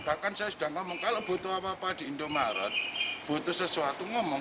bahkan saya sudah ngomong kalau butuh apa apa di indomaret butuh sesuatu ngomong